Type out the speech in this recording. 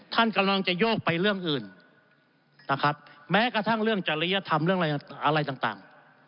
ท่านกำลังจะโยกไปเรื่องอื่นนะครับแม้กระทั่งเรื่องจริยธรรมเรื่องอะไรต่าง